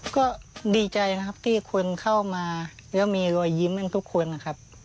ก็ดีใจนะครับที่คนเข้ามาแล้วมีรอยยิ้มกันทุกคนนะครับ